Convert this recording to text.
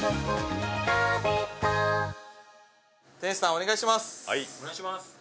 お願いします。